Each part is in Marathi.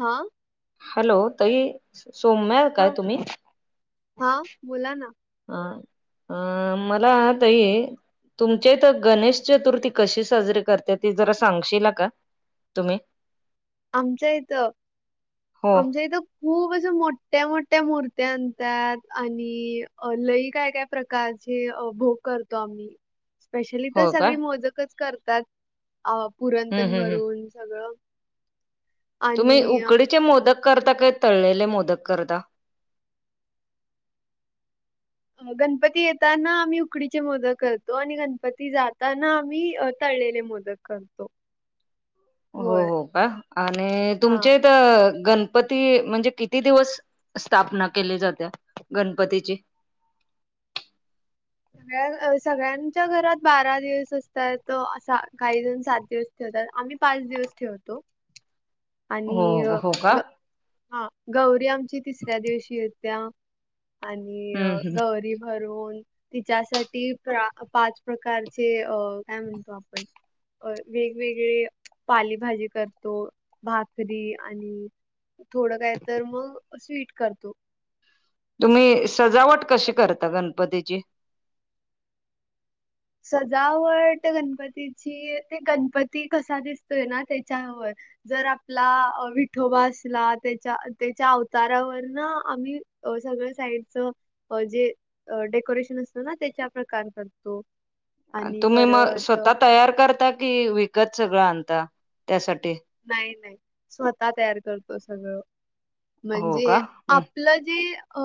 हा. हॅलो ताई सोम्या हा हा बोला ना. अ अ मला ताई तुमच्या इथ गणेश चतुर्थी कशी साजरीे करत्यात ते जरा सांगशीला का? तुम्ही आमच्या इथं हो आमच्या इथं खूप असं मोठ्या मोठ्या मूर्त्या आणत्यात आणि लय काय काय प्रकारचे अ -भोग करतो आम्ही. [inaudible] स्पेशली तर हो का सगळी मोदकच करतात पुरण हम्म तेन हम्म हम् भरून सगळं आणि तुम्ही उकडीचे मोदक करता काय तळलेले मोदक करता? गणपती येताना आम्ही उकडीचे मोदक करतो आणि गणपती जाताना आम्ही तळलेले मोदक करतो. हो होय हो का आणि हा तुमचे त गणपती म्हणजे किती दिवस स्थापना केली जातिया? गणपतीची? सगळ्या- सगळ्यांच्या घरात बारा दिवस असतायत तो असा काहीज सात दिवस ठेवत्यात आम्ही पाच दिवस ठेवतो. आणि हो अ, हो का? ग हा गौरी आमची तिसऱ्या दिवशी एत्या. आणि हम्म हम् गौरी भरून तिच्यासाठी पाच प्रकारचे अ- काय म्हणतो आपण अ- वेगवेगळे पालेभाजी करतो भाकरी आणि थोडं काय तर मग स्वीट करतो. तुम्ही सजावट गोड कशी पदार्थ करता गणपतीची? सजावट गणपतीची ते गणपती कसा दिसतोय ना त्याच्यावर. जर आपला विठोबा असला त्याच्या त्याच्या अवतारावर ना आम्ही अ- सगळं साईडच जे डेकोरेशन असतं ना त्याच्या प्रकारे करतो. आणि तुम्ही मग परत स्वतः तयार करता कि विकत सगळं आणता त्यासाठी? नाय नाय स्वतः तयार करतो सगळं हो म्हणजे का आप हम्म आपलं जी अ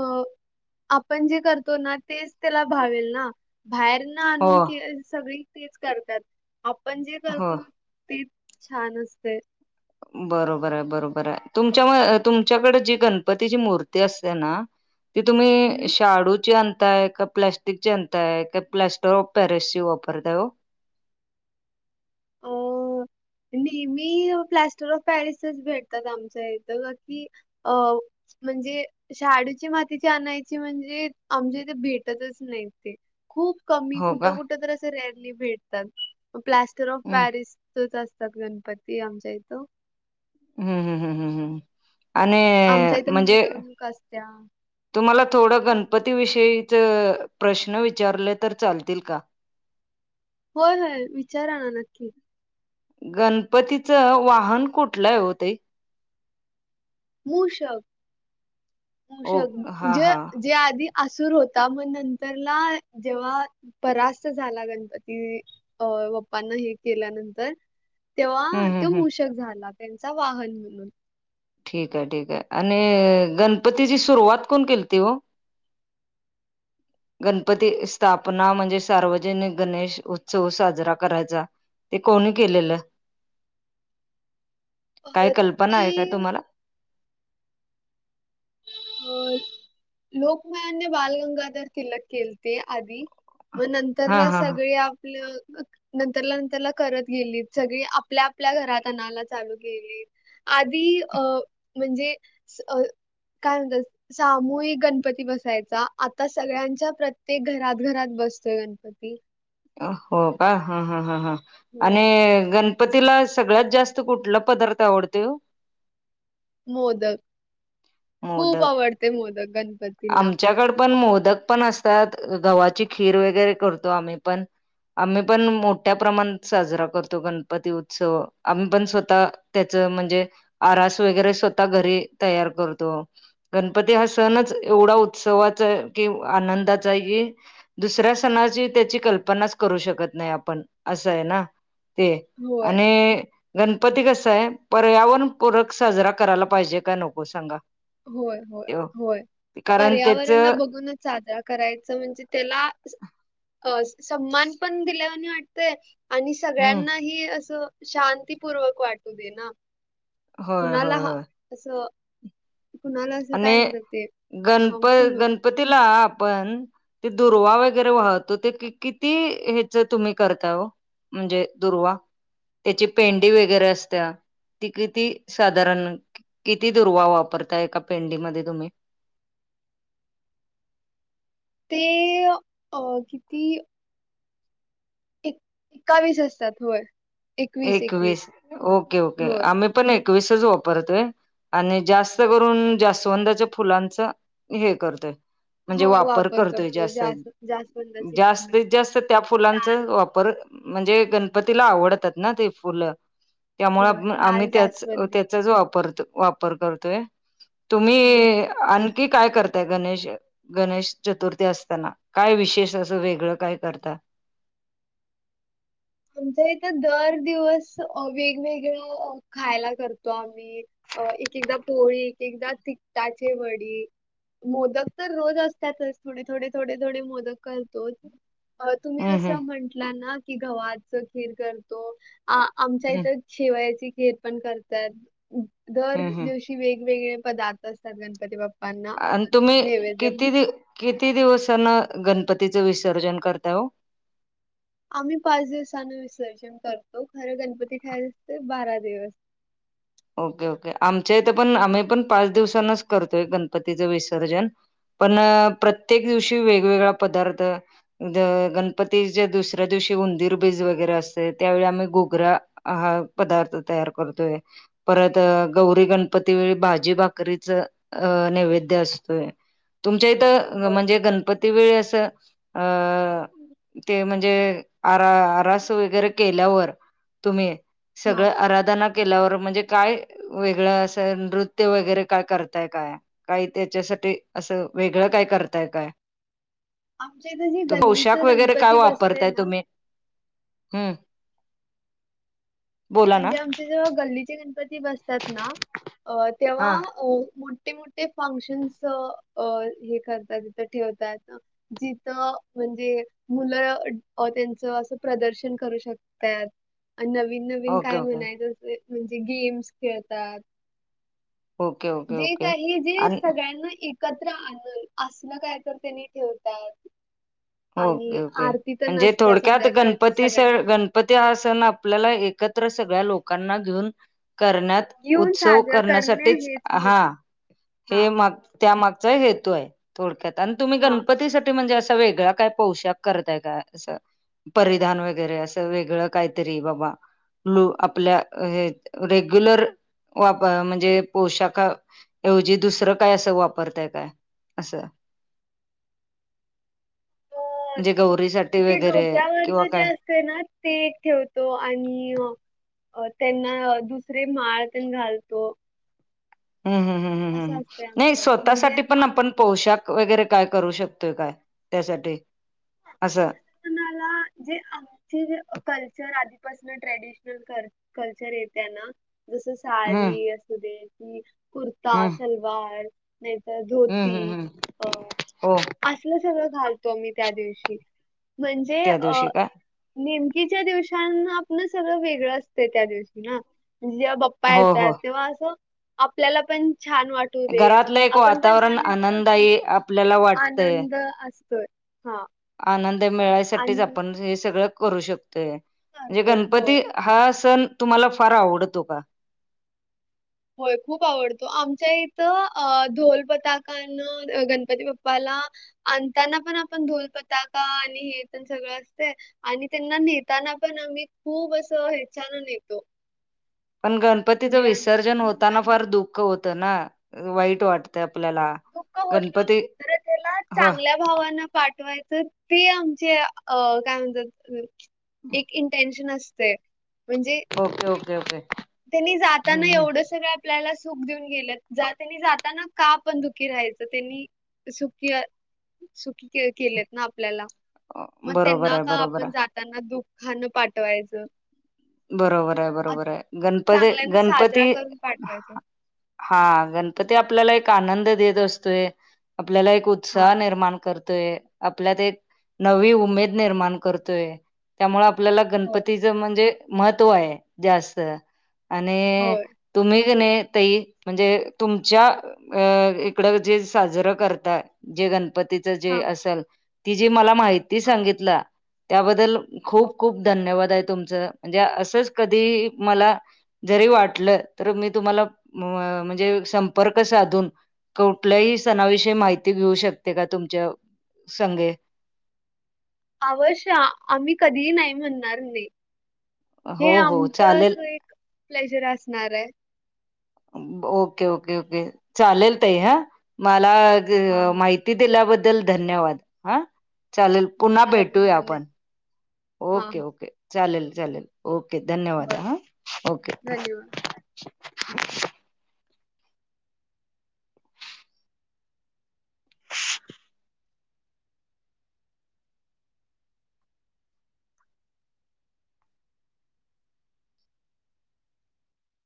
आपण जे करतो ना तेच त्याला भावेल ना बाहेर हो आणून केयर सगळी तेच करतात आपण जे हो करतो. तेच छान असतंय. बरोबर आय बरोबर आय तुमच्या तुमच्याकडे जी गण पतीची मूर्ती असतिया ना ती तुम्ही हम्म. शाडूची आणताय का प्लाश स्टिक आणतात का प्लास्टर ऑफ पॅरिस ची वापरताय ओ? आव नेहमी प्लास्टर ऑफ प पॅरिसच च भेटतात आमच्या इथ बाकी अ म्हणजे शाडूची मातीची आणायची म्हणजे आमच्या इथ भेटतच नायत ते. खूप कमी हो का कुठं कुठ तर असे रेअरली भेटतात प्लास्टर ऑफ हम्म पॅरिसच च अस तात गणपती आमच्या इथं. हूं हूं हूं हूं हूं आणि आमच्या इथं म्हणजे मिरवणूक असत्या. तुम्हाला थोडं गणपती विषयीच प्रश्न विचारले तर चालतील का? होय होय विचारा ना नक्की गणपतीचं वाहन कुठलंय ओ ताई मूषक ओ मूषक हा म्हणजे हा ते आधी असूर होता म नंतरला जेव्हा परास्त झाला गणपती अ बाप्पांना हे केल्यानंतर तेव्हा हम्म हम्म तो हम्म मुषक झाला त्यांचा वाहन म्हणून ठीक आय ठीक आय आणि गणपतीची सुरुवात कोण केलती ओ गणपती स्थापना म्हणजे सार्वजनिक गणेश उत्सव साजरा करायचा ते कोणी केलेलं? काय अ कल्पना ते आहे का तुम्हाला? अ लोकमान्य बालगंगाधर तिलक केलते आधी म हा नंतरला हा हा सगली आपलं नंतरला नंतरला करत गेलीत सगळी आपल्या आपल्या घरात आणाला चालू केेली. आधी अ म्हणजे स अ काय म्हणतस सामूहिक गणपती बसायचा आता सगळ्यांच्या प्रत्येक घरात घरात बसतोय गण पती अ हो का ह ह ह ह होय आणि गण गणपतीला सगळ्यात जास्त कुठला पदार्थ आवडतय ओ मोदक, खूप मोदक आवडतय मोदक गणपत आमच्याकड पण मोदक पण असतात गव्हाची खीर वगैरे करतो आम्ही पण आम्ही पण मोठ्या प्रमाणात साजरा करतो गणपती उत्सव आम्ही पण स्वतः त्याच म्हणजे आरास वगैरे स्वतः घरी तयार करतो. गणपती हा सणच एवढा उत्सवाचाय की आनंदाचा हाय की दुसऱ्या सणाची त्याची कल्पनाच करू शकत नाय आपण असंय ना ते होय आणि गणपती कसाय पर्यावरण पूरक साजरा करायला पाहिजे काय नको सांगा. होय होय होय कारण त्याच पर्यावरणला हम्म ब घुनच साजरा करायचा म्हणजे त्याला अ सम्मान पण दिल्यावाणी वाटतय आणि सगळ्यांनाही असं शांतीपूर्वक वाटू दे ना होय होय कुणालाहा होय असं कुणाला अस काय आणि म्हणतात ते हार्मफुल नको. तिला आपण ते दुर्वा वगैरे वाहतो ते कि किती ह्याच तुम्ही करता ओ म्हणजे दुर्वा त्याची पेंडी वगैरे असत्या ती किती साधारण किती दुर्वा वापरता एका पेंडीमध्ये तुम्ही ते अ किती? एक एकावीस असतात होय. एकवीस ओके ओके होय आम्ही पण एकवीसच वापरतोय. आणि जास्त करून जास्वंदाच्या फुलांचा हे करतोय. म्हणजे होय वापर करतोय करतो जासन जास् जास्वंदाची फुलं जास्तीत जास्त त्या फुलांचा लाल वापर म्हणजे गणपतीला आवडतात ना ते फुलं त्यामुळे होय आम- आम्ही, लाल त्याच जास्वंदी -त्याचाच वापरत-वापर करतोय. होय तुम्ही आणखी काय, करताय? गणेश गणेश चतुर्थी असताना. काय विशेष असं, वेगळं काय, करता? आमच इथं, दर अ दिवस वेगवेगळ, खायला करतो आम्ही. अ एक - एकदा पोळी. एक - एकदा तिकटाचे वडी. मोदक तर रोज असतातच. थोडे, थोडे, थोडे, थोडे मोदक करतो. अ तुम्ही हम्म जस हम्म म्हंटला ना की, गव्हाच खीर करतो. आ आमच्या इथं, शेवयाची खीर पण करतात. दर हम्म हम्म दिवशी वेगवेगळे पदार्थ असतात. गणपती बाप् अन् तुम्ही किती, दि किती दिवसान? गणपतीचं विसर्जन करता ओ. आम्ही पाच दिवसान विसर्जन करतो. खरं गणपती काय दि असते बारा दिवस. Okay - okay. आमच्या इथं पण, आम्ही हा पण पाच दिवसांनच करतोय, गणपतीचं विसर्जन. पण, प्रत्येक दिवशी वेगवेगळा पदार्थ. ग गणपतीच्या दुसऱ्या दिवशी, उंदीर बीज वगैरे असते. त्यावेळी आम्ही गोगरा हा पदार्थ तयार करतोय. परत, गौरी - गणपती वेळी भाजी भाकरीचं अ नैवेद्य असतोय. तुमच्या इथं, होय. म्हणजे गणपती ति वेळेस, अ ते म्हणजे, आरा- आरास वगैरे केल्यावर, तुम्ही हा सगळ आराधना केल्यावर, म्हणजे काय वेगळं असं? नृत्य वगैरे काय, करताय काय? काही त्याच्यासाठी. असं वेगळं काय, करताय काय? आमच्या इथं जे त पोशाख गल्लीचं वगैरे काय, गणपती बसतंय वापरताय ना तुम्ही? हम्म. बोला ना म्हणजे आमचे जेव्हा, गल्लीचे गणपती बसतात ना. अ तेव्हा, हा मो मोठे - मोठे फंक्शन्स अ हे करतात. तीथं ठेवतात. जिथं म्हणजे, मुलं अ त्यांचं असं, प्रदर्शन करू शक तात. नवीन- नवीन ओके काय, ओके म्हणायचं? अस, म्हणजे गेम्स खेळतात. ओके ओके जे ओके. काही, जे आणि सगळ्यांना एकत्र आणून, असलं काय तर त्यांनी ठेवतात. आणि ओके ओके. आरती तेन म्हणजे असत्या, थोडक्यात संध्याकाळची गणपती सण सगळ्यांना मिळून. [unintelligible] आपल्याला एकत्र सगळ्या लोकांना घेऊन करण्यात येऊन उत्सव साजरा करणे करण्यासाठीच. हेच मोठ हा. हा हे मात त्या मागचा हेतूय. थोडक्यात. अन् तुम्ही हा गणपतीसाठी म्हणजे, असा वेगळा काय पोशाख करताय का? अस. परिधान वगैरे असं. वेगळं काहीतरी बाबा लू. आपल्या हे, रेग्युलर वाप म्हणजे पोशाख एवजी दुसरं काय? असं, वापरताय काय? असं. म्हणजे गौरीसाठी वगैरे. किंवा डोक्यावरचं जे काय ते ना [unintelligible] ठेवतो आणि अ त्यांना दुसरे माळ त्यां घालतो. हम्म, हम्, हम्, असं ह्, ह्. असतंय नाही, आमच्यात म्हणजे स्वतःसाठी आ- पण आपण पोशाख वगैरे काय, करू शकतोय, काय? त्यासाठी. असं. कुणाला जे आमचेे कल्चर, आधीपासन ट्रेडिशनल करते. कल्चर येते ना. जस हम्म साडी असू दे. की कुर्ता, हम्म सलवार नाहीतर हम्म धोती. हम्म हम्म अ हो असलं सगळं, घालतो आम्ही. त्या दिवशी म्हणजे त्या अ दिवशी का? नेमकीच्या दिवसांना आपण सगळं वेगळं असते त्या दिवशी ना म्हणजे आ बग हो हो. पायतात तेव्हा असं आपल्याला पण छान वाटत. घरातलं एक वातावरण आनंद तू- आहे आपल्याला वाटतंय आनंद असतोय हा. आनंद मिळायसाठीच आणि आपण हे सगळं करू शकतोय. म्हणजे करतो होय गणपती हा सण तुम्हाला फार आवडतो का. होय खूप आवडतो आमच्या इथं अ ढोल पताकानं गणपती बाप्पाला अताना पण आपण धोल पताका आणि हे पण सगळं असते. आणि त्यांना नेताना पण आम्ही खूप असं ह्याचान नेतो. पण गणपतीचं म्हणजे विसर्जन होताना धूमधाम फार दुःख होतं ना वाईट वाटतं आपल्याला दुःख हो गणपती तर त्याला हो चांगल्या भावांना पाठवायचं ते आमचे अ काय म्हणतात. एक इंटेनशन असते म्हणजे ओके ओके ओके. त्यांनी जाताना हम्म एवढस का आपल्याला सुख देऊन गेले त्यांनी जाताना का पण दुखी राहायचं त्यांनी. सुखी सुखी केलेत ना आपल्याला हम्म. मग बरोबर त्यांना आहे का बरोबर आपण जाताना दुःखान पाठवायचं. बरोबर आहे बरोबर आहे गणपती चांगल्यान गणपती साजरा करून पाठवायचा हा गणपती आपल्याला एक आनंद देत असतोय. आपल्याला एक हा उत्साह निर्माण करतो. आपल्यात एक नवी उमेद निर्माण करतोय त्यामुळे आपल्याला होय गणपतीच म्हणजे महत्त्व आहे जास्त आणि होय तुम्हीणे तही म्हणजे तुमच्या अ इकडं जे साजरं करतात. जे गणपतीच जे हा असेल ती जी मला माहिती हा सांगितलं. त्याबद्दल हो खूप खूप धन्यवाद आहे तुमचं म्हणजे असंच कधी मला जरी वाटलं तर मी तुम्हाला म्हणजे संपर्क साधून कुठल्याही सणाविषयी माहिती घेऊ शकते का तुमच्या संघे अवश्य आम्ही कधीही नाही म्हणणार नाही. हे हो हो आमचंच चालेल एक प्लेजर असणार आहे. ओके ओके ओके चालेल त हा मला हां हां माहिती दिल्याबद्दल धन्यवाद हा चालेल पुन्हा तुम्हाला पण भेटूया आपण. धन्यवाद हां ओके हां ओके चालेल चालेल ओके धन्यवाद बरं हा ओके. धन्यवाद.